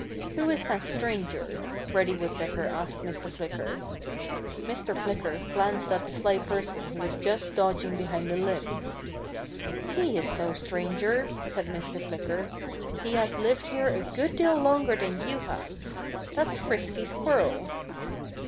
"Who is that stranger?" Reddy Woodpecker asked Mr. Flicker. Mr. Flicker glanced at the sly person who was just dodging behind a limb. "He's no stranger," said Mr. Flicker. "He has lived here a good deal longer than you have. That's Frisky Squirrel."